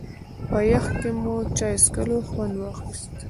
په يخ کې مو له چای څښلو خوند واخيست.